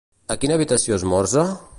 A quina habitació esmorza?